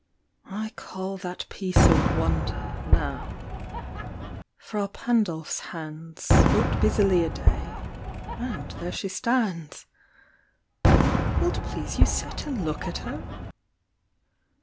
I call That piece a wonder, now: Fra Pandolf's hands Worked busily a day, and there she stands. Will't please you sit and look at her?